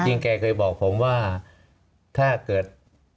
แกเคยบอกผมว่าถ้าเกิด